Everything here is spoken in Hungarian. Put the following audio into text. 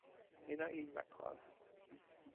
Nina így meghal.